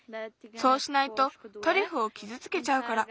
そうしないとトリュフをきずつけちゃうから。